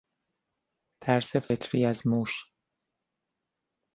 ترس فطری از موش